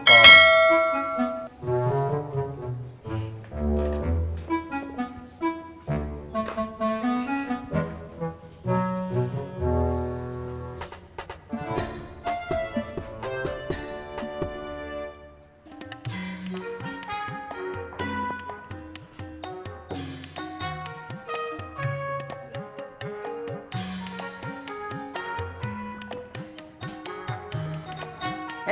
ntar lantainya kotor